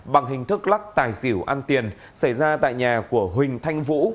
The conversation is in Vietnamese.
bằng hình thức lắc tài xỉu ăn tiền xảy ra tại nhà của huỳnh thanh vũ